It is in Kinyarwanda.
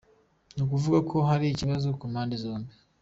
ni ukuvuga ko hari ikibazo ku mpande zombi.